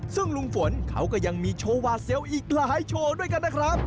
ซึ่งลุงฝนเขาก็ยังมีโชว์หวาดเสียวอีกหลายโชว์ด้วยกันนะครับ